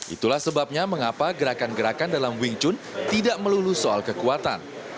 itulah sebabnya mengapa gerakan gerakan dalam wing chun tidak melulu soal kekuatan